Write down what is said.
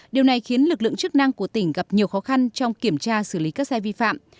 điều này khiến lực lượng chức năng của tỉnh gặp nhiều khó khăn trong kiểm tra xử lý các sai vi phạm